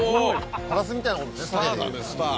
ハラスみたいなもんですね。